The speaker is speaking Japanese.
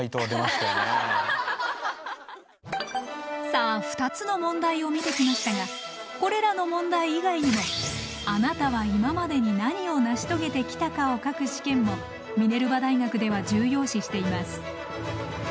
さあ２つの問題を見てきましたがこれらの問題以外にもあなたは今までに何を成し遂げてきたかを書く試験もミネルバ大学では重要視しています。